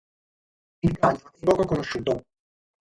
Il cranio è poco conosciuto.